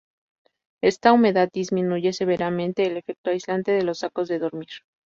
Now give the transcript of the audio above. Esta humedad disminuye severamente el efecto aislante de los sacos de dormir.